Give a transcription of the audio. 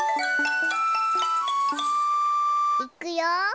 いくよ。